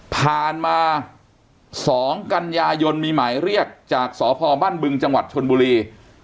ผ่านมา๒กันยายนมีหมายเรียกจากสพบ้านบึงจังหวัดชนบุรี